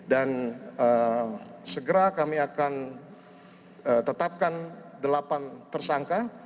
dan segera kami akan tetapkan delapan tersangka yang kita lakukan